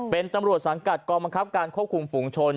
เป็นตำรวจสังกัดกองบังคับการควบคุมฝูงชน